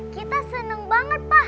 kita seneng banget pa